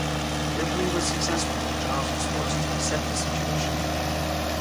Their plea was successful and Charles was forced to accept the situation.